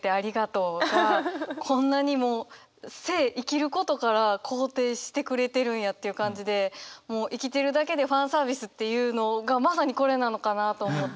こんなにも生生きることから肯定してくれてるんやっていう感じでもう生きてるだけでファンサービスっていうのがまさにこれなのかなと思って。